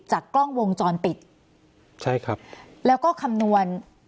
กล้องวงจรปิดใช่ครับแล้วก็คำนวณ